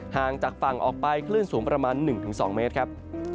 ห่างจากฝั่งออกไปคลื่นสูงประมาณ๑๒เมตรครับ